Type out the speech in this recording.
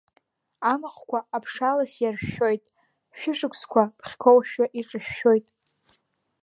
Амахәқәа аԥшалас иаршәшәоит, шәышықәсқәа бӷьқәоушәа иҿышәшәоит…